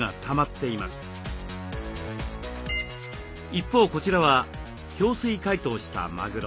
一方こちらは氷水解凍したマグロ。